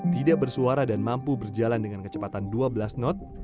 tidak bersuara dan mampu berjalan dengan kecepatan dua belas knot